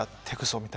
みたいな。